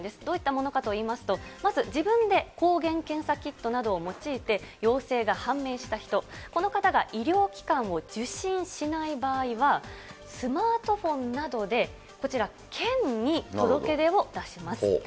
どういったものかといいますと、まず自分で抗原検査キットなどを用いて陽性が判明した人、この方が医療機関を受診しない場合は、スマートフォンなどでこちら、県に届け出を出します。